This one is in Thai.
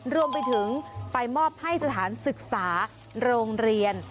รวมไปถึงไปมอบให้สถานศึกษาโรงเรียน